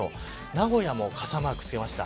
名古屋も傘マークをつけました。